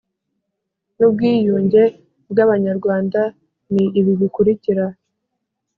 N ubwiyunge bw abanyarwanda ni ibi bikurikira